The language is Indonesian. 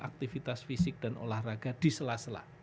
aktivitas fisik dan olahraga disela sela